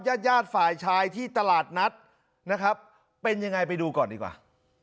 ญาติญาติฝ่ายชายที่ตลาดนัดนะครับเป็นยังไงไปดูก่อนดีกว่า